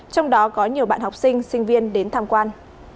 trong đó có nhiều bạn học sinh sinh viên đến tham quan